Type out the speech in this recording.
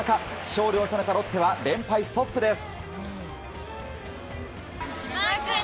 勝利を収めたロッテは連敗ストップです。